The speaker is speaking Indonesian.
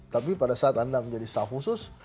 tapi pada saat anda menjadi staff khusus